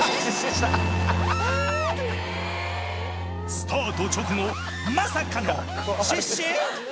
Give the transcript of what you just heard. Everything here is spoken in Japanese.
スタート直後まさかの失神！？